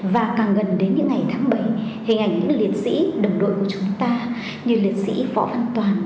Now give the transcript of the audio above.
và càng gần đến những ngày tháng bảy hình ảnh liệt sĩ đồng đội của chúng ta như liệt sĩ phỏ văn toàn